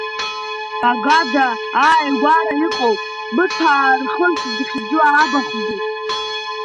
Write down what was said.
Багада ааигәара иҟоуп Быҭәаа рхыш зыхьӡу абахәгьы.